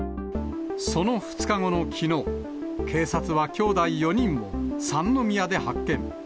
その２日後のきのう、警察はきょうだい４人を三宮で発見。